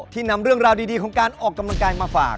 นำเรื่องราวดีของการออกกำลังกายมาฝาก